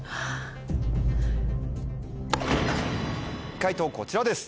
解答こちらです。